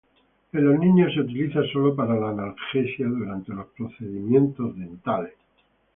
En los niños, se utiliza sólo para la analgesia durante los procedimientos dentales.